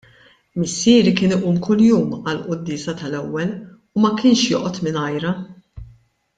Missieri kien iqum kuljum għall-quddiesa tal-ewwel u ma kienx joqgħod mingħajrha.